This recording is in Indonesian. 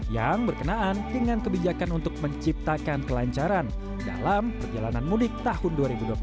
yang berkenaan dengan kebijakan untuk menciptakan kelancaran dalam perjalanan mudik tahun dua ribu dua puluh satu